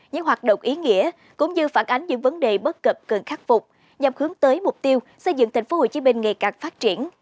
những hoạt động ý nghĩa cũng như phản ánh những vấn đề bất cập cần khắc phục nhằm hướng tới mục tiêu xây dựng thành phố hồ chí minh ngày càng phát triển